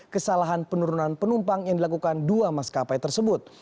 kesalahan penurunan penumpang yang dilakukan dua maskapai tersebut